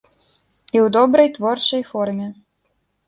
І ў добрай творчай форме.